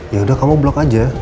yaudah kamu blok aja